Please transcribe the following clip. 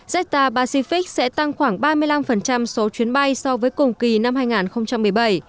jetstar pacific sẽ tăng khoảng ba mươi năm số chuyến bay so với cùng kỳ năm hai nghìn một mươi bảy